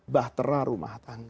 bahtera rumah tangga